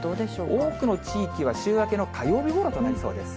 多くの地域は週明けの火曜日ごろとなりそうです。